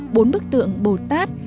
bốn bức tượng bồ tát